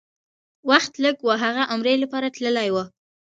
وخت لږ و، هغه عمرې لپاره تللی و.